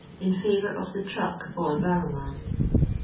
in fiivour of the truck or barrow man.